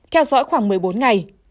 theo dõi khoảng một mươi bốn ngày